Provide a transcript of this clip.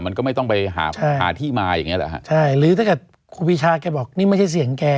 มันก็ไม่ต้องไปหาหาที่มาอย่างเงี้เหรอฮะใช่หรือถ้าเกิดครูปีชาแกบอกนี่ไม่ใช่เสียงแก